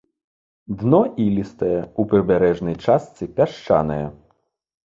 Дно ілістае, у прыбярэжнай частцы пясчанае.